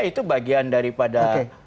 itu bagian daripada